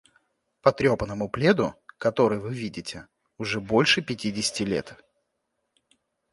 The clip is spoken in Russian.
Потрёпанному пледу, который вы видите, уже больше пятидесяти лет.